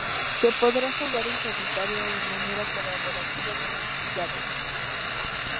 Se podrá jugar en solitario o de manera colaborativa con otros jugadores.